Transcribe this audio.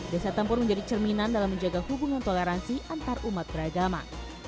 desa tempur menjadi cerminan dalam menjaga hubungan toleransi antarumat beragama